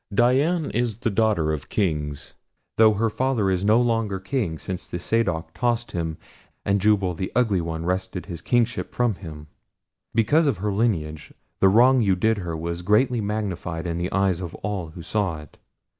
Dian is the daughter of kings, though her father is no longer king since the sadok tossed him and Jubal the Ugly One wrested his kingship from him. Because of her lineage the wrong you did her was greatly magnified in the eyes of all who saw it.